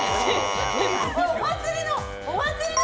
お祭りの。